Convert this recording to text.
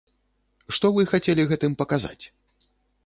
Што вы хацелі гэтым паказаць?